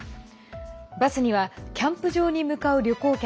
バスにはキャンプ場に向かう旅行客